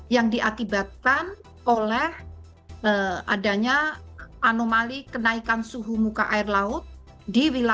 yang diakibatkan oleh adanya anomali kenaikan suhu muka air laut